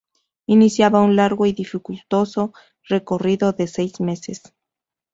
Iniciaba un largo y dificultoso recorrido de seis meses.